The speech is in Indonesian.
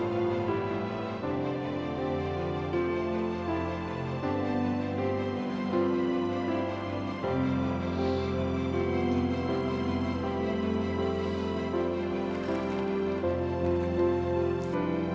jangan letu merosot se glaube